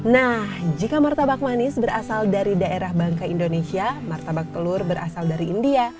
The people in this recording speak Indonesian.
nah jika martabak manis berasal dari daerah bangka indonesia martabak telur berasal dari india